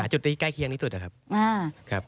จุดที่ใกล้เคียงที่สุดนะครับ